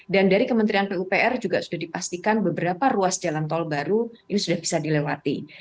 dan dari kementerian pupr juga sudah dipastikan beberapa ruas jalan tol baru ini sudah bisa dilewati